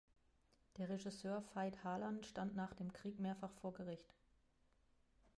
Der Regisseur Veit Harlan stand nach dem Krieg mehrfach vor Gericht.